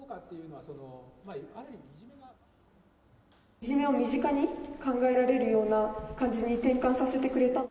いじめを身近に考えられるような感じに転換させてくれた。